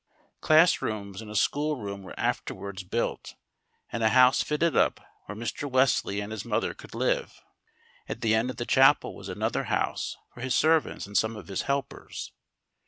Class rooms and a school room were afterwards built, and a house fitted up where Mr. Wesley and his mother could live. At the end of the chapel was another house for his servants and some of his helpers.